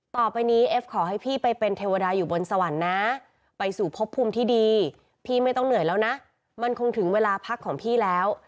ต่อไปนี้เอฟขอให้พี่ไปเป็นเทวดาอยู่บนสวรรค์นะไปสู่พบภูมิที่ดีพี่ไม่ต้องเหนื่อยแล้วนะมันคงถึงเวลาพักของพี่แล้ว